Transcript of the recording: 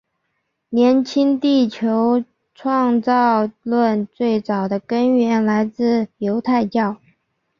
年轻地球创造论最早的根源来自犹太教。